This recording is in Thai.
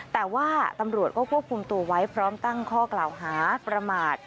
แต่ว่าตำรวจก็ควบคุมตัวไว้พร้อมตั้งข้อกล่าวหาประมาท